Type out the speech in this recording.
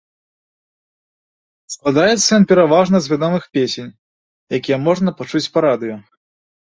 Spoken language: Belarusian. Складаецца ён пераважна з вядомых песень, якія можна пачуць па радыё.